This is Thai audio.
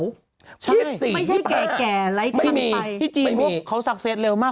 ๒๔๒๕ไม่ใช่แก่ไล่กันไปไม่มีพี่จีนพวกเขาสักเซ็ตเร็วมาก